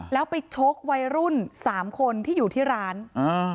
แล้วไปชกวัยรุ่นสามคนที่อยู่ที่ร้านอ่า